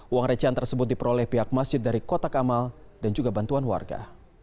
uang recehan tersebut diperoleh pihak masjid dari kotak amal dan juga bantuan warga